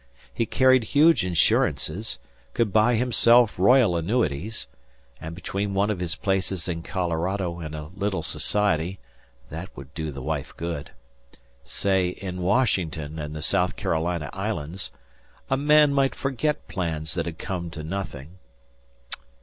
He carried huge insurances, could buy himself royal annuities, and between one of his places in Colorado and a little society (that would do the wife good), say in Washington and the South Carolina islands, a man might forget plans that had come to nothing.